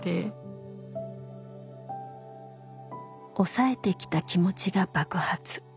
抑えてきた気持ちが爆発。